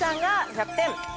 １００点。